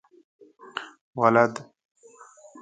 ولد؟